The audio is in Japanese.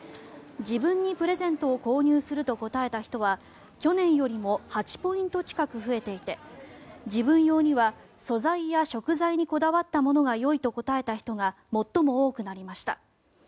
自分にプレゼントを購入すると答えた人は去年よりも８ポイント近く増えていて自分用には素材や食材にこだわったものがよいと答えた人が最も多くなりました。